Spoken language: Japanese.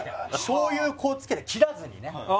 醤油こうつけて切らずにね。